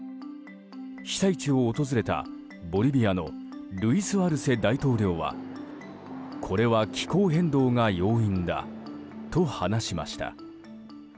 被災地を訪れた、ボリビアのルイス・アルセ大統領はこれは気候変動が要因だと話しました。